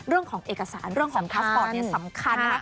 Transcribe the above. เรื่องของเอกสารเรื่องของพาสปอร์ตสำคัญนะคะ